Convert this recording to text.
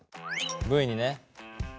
Ｖにね。